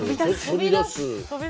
飛び出す。